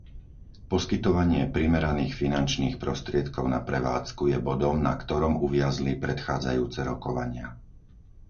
Poskytovanie primeraných finančných prostriedkov na prevádzku je bodom, na ktorom uviazli predchádzajúce rokovania.